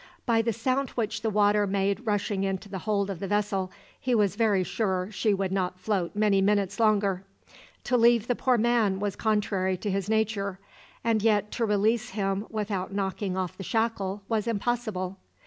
By the sound which the water made rushing into the hold of the vessel, he was very sure she would not float many minutes longer. To leave the poor man was contrary to his nature, and yet to release him without knocking off the shackle was impossible.